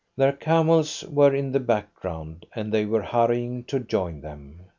Their camels were in the background, and they were hurrying to join them.